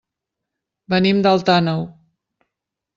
Venim d'Alt Àneu.